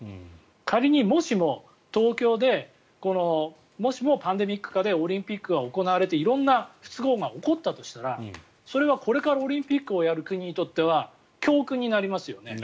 仮にもしも、東京でもしもパンデミック下でオリンピックが行われて色んな不都合が起こったとしたらそれはこれからオリンピックをやる国にとっては教訓になりますよね。